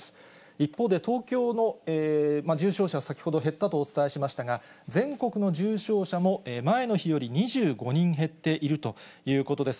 一方で、東京の重症者は先ほど減ったとお伝えしましたが、全国の重症者も前の日より２５人減っているということです。